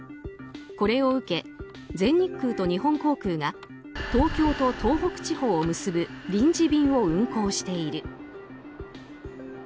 これを受け、全日空と日本航空が東京と東北地方を結ぶ臨時便を運航している。